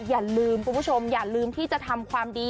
อย่าลืมคุณผู้ชมอย่าลืมที่จะทำความดี